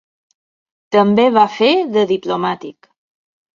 També va fer de diplomàtic.